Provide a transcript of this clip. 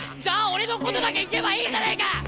じゃあ俺のことだけ言えばいいじゃねえか！